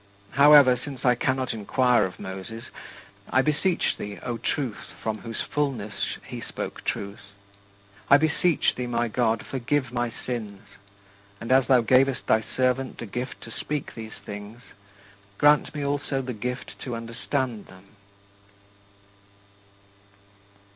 " However, since I cannot inquire of Moses, I beseech thee, O Truth, from whose fullness he spoke truth; I beseech thee, my God, forgive my sins, and as thou gavest thy servant the gift to speak these things, grant me also the gift to understand them.